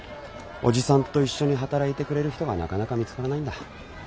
おじさんと一緒に働いてくれる人がなかなか見つからないんだ。